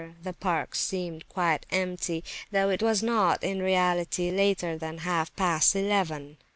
The park seemed quite empty, though it was not, in reality, later than half past eleven.